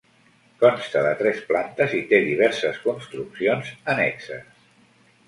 Consta de tres plantes i té diverses construccions annexes.